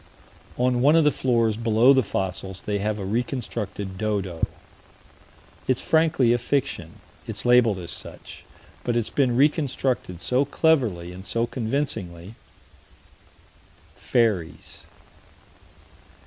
On one of the floors below the fossils, they have a reconstructed dodo. It's frankly a fiction: it's labeled as such but it's been reconstructed so cleverly and so convincingly Fairies.